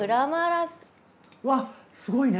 うわすごいね。